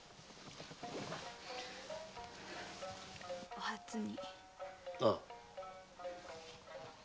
お初に。